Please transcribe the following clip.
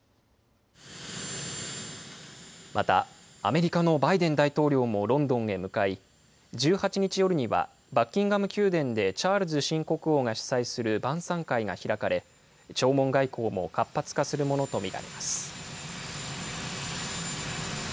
また、アメリカのバイデン大統領もロンドンへ向かい、１８日夜には、バッキンガム宮殿でチャールズ新国王が主催する晩さん会が開かれ、弔問外交も活発化するものと見られます。